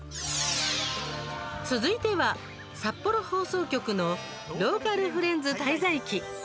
続いては札幌放送局の「ローカルフレンズ滞在記」。